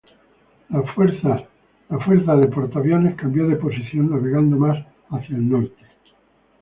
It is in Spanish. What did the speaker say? Las fuerza de portaaviones cambió de posición navegando más hacia el norte.